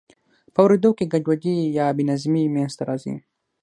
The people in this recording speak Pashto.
په اوریدو کې ګډوډي یا بې نظمي منځ ته راځي.